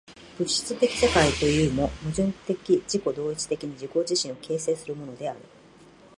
物質的世界というも、矛盾的自己同一的に自己自身を形成するものである。